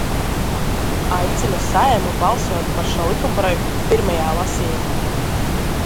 Aicinu Saeimu balsot par šo likumprojektu pirmajā lasījumā.